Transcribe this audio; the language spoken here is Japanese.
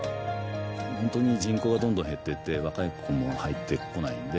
本当に人口がどんどん減ってって若い子も入ってこないんで。